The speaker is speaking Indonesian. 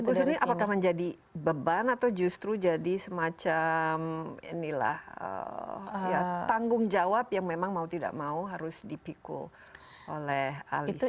nah khusus ini apakah menjadi beban atau justru jadi semacam tanggung jawab yang memang mau tidak mau harus dipikul oleh alisa